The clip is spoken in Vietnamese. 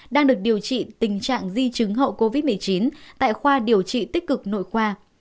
đang được điều trị tình trạng di chứng hậu covid một mươi chín tại khoa điều trị tích cực nội khoa